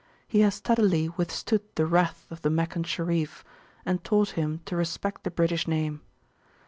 He has steadily withstood the wrath of the Meccan Sharif, and taught him to respect the British name.